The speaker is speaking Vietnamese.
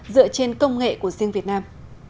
dựa trên công nghệ của riêng việt nam